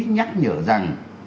nhắc nhở rằng